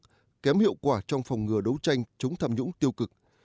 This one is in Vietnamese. kém hiệu quả trong phòng ngừa đấu tranh chống tham nhũng tiêu cực